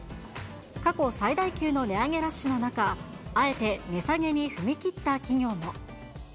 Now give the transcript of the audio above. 過去最大級の値上げラッシュの中、あえて値下げに踏み切った企業も。